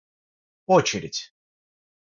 очередь